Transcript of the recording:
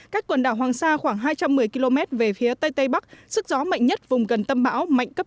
cách quần đảo hoàng sa khoảng hai trăm một mươi km về phía tây tây bắc sức gió mạnh nhất vùng gần tâm bão mạnh cấp năm